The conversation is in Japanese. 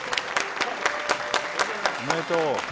おめでとう。